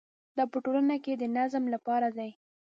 دا په ټولنه کې د نظم لپاره دی.